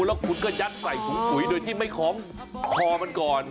แล้วคุณก็ยัดใส่ถุงปุ๋ยโดยที่ไม่คล้องคอมันก่อน